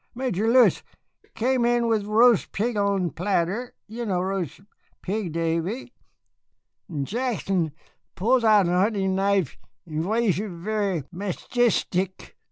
Major Lewis came in with roast pig on platter. You know roast pig, Davy?... 'N'Jackson pulls out's hunting knife n'waves it very mashestic....